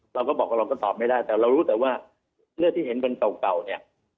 เราก็บอกว่าเราก็ตอบไม่ได้แต่เรารู้แต่ว่าเลือดที่เห็นเป็นเก่าเนี่ย